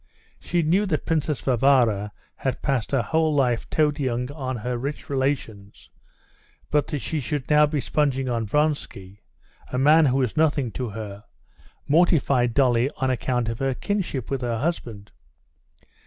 She knew that Princess Varvara had passed her whole life toadying on her rich relations, but that she should now be sponging on Vronsky, a man who was nothing to her, mortified Dolly on account of her kinship with her husband.